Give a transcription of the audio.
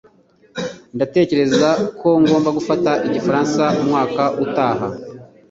Ndatekereza ko ngomba gufata igifaransa umwaka utaha.